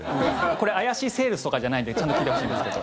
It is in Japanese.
これ怪しいセールスとかじゃないんでちゃんと聞いてほしいんですけど。